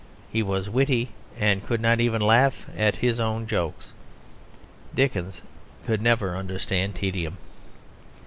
He was witty and could not even laugh at his own jokes. Dickens could never understand tedium.